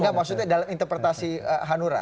enggak maksudnya dalam interpretasi hanura